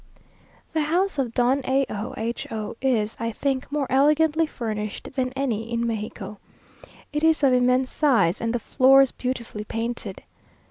The house of Don A o H o is, I think, more elegantly furnished than any in Mexico. It is of immense size, and the floors beautifully painted.